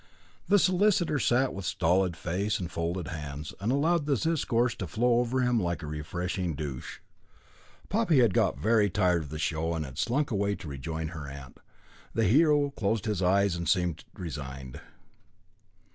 The solicitor sat with stolid face and folded hands, and allowed the discourse to flow over him like a refreshing douche. Poppy had got very tired of the show, and had slunk away to rejoin her aunt. The hero closed his eyes and seemed resigned.